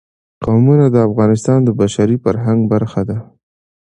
قومونه د افغانستان د بشري فرهنګ برخه ده.